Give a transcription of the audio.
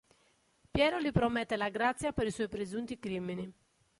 Piero gli promette la grazia per i suoi presunti crimini.